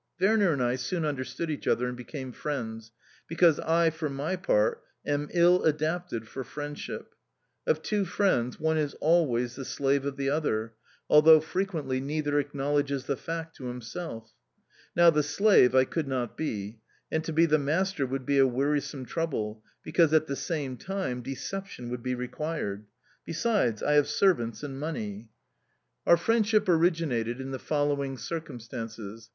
Werner and I soon understood each other and became friends, because I, for my part, am illadapted for friendship. Of two friends, one is always the slave of the other, although frequently neither acknowledges the fact to himself. Now, the slave I could not be; and to be the master would be a wearisome trouble, because, at the same time, deception would be required. Besides, I have servants and money! Our friendship originated in the following circumstances.